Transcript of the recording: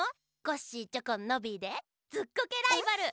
コッシーチョコンノビーで「ずっこけライバル」。